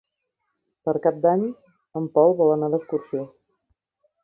Per Cap d'Any en Pol vol anar d'excursió.